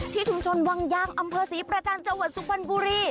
ชุมชนวังยางอำเภอศรีประจันทร์จังหวัดสุพรรณบุรี